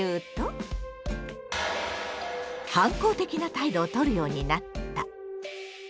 反抗的な態度をとるようになった。